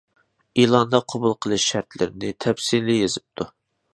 ئېلاندا قوبۇل قىلىش شەرتلىرىنى تەپسىلىي يېزىپتۇ.